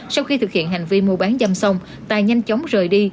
sau khi thực hiện hành vi mua bán dâm xong tài nhanh chóng rời đi